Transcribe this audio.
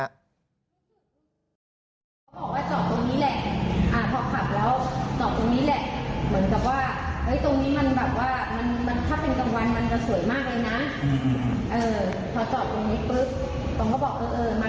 เขาบอกว่าจอตรงนี้แหละ